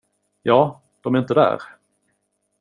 Ja, de är inte där.